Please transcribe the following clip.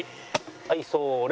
はいそーれ！